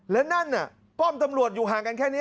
และนั่นน่ะป้อมตำรวจอยู่ห่างกันแค่นี้